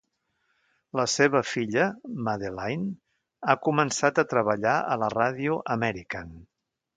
La seva filla, Madeline, ha començat a treballar a la ràdio American.